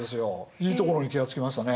いいところに気が付きましたね。